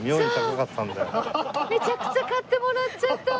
めちゃくちゃ買ってもらっちゃった。